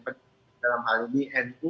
penting dalam hal ini